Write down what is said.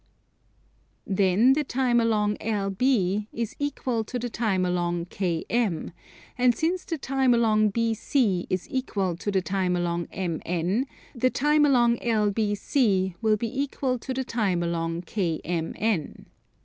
Then the time along LB is equal to the time along KM; and since the time along BC is equal to the time along MN, the time along LBC will be equal to the time along KMN.